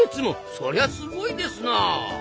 そりゃすごいですなあ！